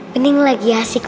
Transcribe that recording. bening lagi asik main sama temen